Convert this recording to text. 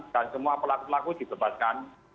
dan semua pelaku pelaku dibebaskan